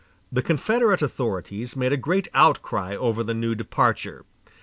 The Confederate authorities made a great outcry over the new departure.